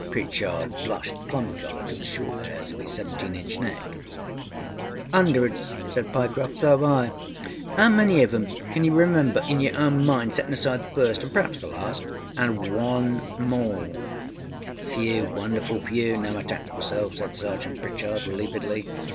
â Pritchard blushed plum colour to the short hairs of his seventeen inch neck. ââUndreds,â said Pyecroft. âSoâve I. How many of âem can you remember in your own mind, settinâ aside the firstâanâ perâaps the lastâ_and one more_?â âFew, wonderful few, now I tax myself,â said Sergeant Pritchard, relievedly.